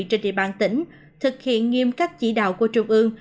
trên địa bàn tỉnh thực hiện nghiêm các chỉ đạo của trung ương